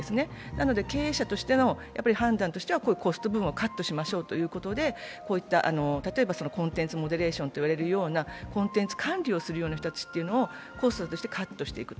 なので経営者としての判断としてはこういうコスト部分をカットしましょうということで、こういったコンテンツモデレーションと言われるようなコンテンツ管理をするような人たちをコストとしてカットしていく。